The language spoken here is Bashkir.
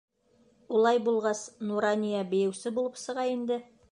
Улай булғас, Нурания бейеүсе булып сыға инде?